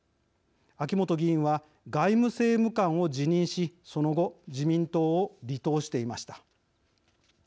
秋本議員は外務政務官を辞任しその後自民党を離党していました。